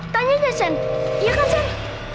tanyain aja sen iya kan sen